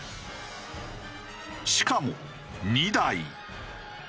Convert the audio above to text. しかも２台。